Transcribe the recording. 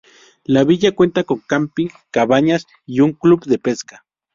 La villa cuenta con camping, cabañas y un club de pesca.